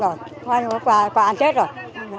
nói chung là quà ăn tết rồi